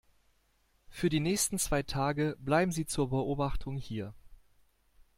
Für die nächsten zwei Tage bleiben Sie zur Beobachtung hier.